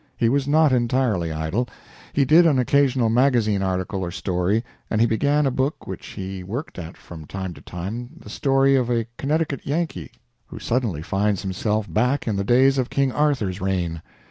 He was not entirely idle. He did an occasional magazine article or story, and he began a book which he worked at from time to time the story of a Connecticut Yankee who suddenly finds himself back in the days of King Arthur's reign.